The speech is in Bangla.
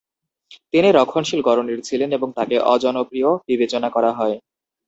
তিনি রক্ষণশীল গড়নের ছিলেন এবং তাকে অজনপ্রিয় বিবেচনা করা হয়।